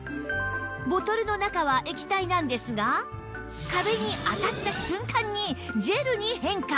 ボトルの中は液体なんですが壁に当たった瞬間にジェルに変化